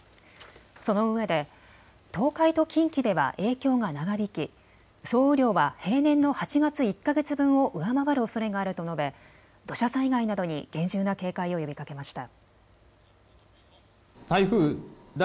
そのうえで東海と近畿では影響が長引き総雨量は平年の８月１か月分を上回るおそれがあると述べ土砂災害などに厳重な警戒を呼びかけました。